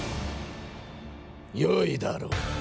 よいだろう。